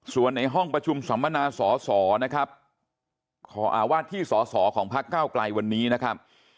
ส่วนในห้องประชุมสัมมนาสอสอนะครับว่าที่สอสอของพักเก้าไกลวันนี้นะครับ